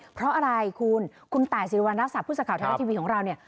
เพราะอะไรคุณคุณต่ายศิริวรรณรักษาพุทธข่าวไทยว่าทีวีของเราเนี่ย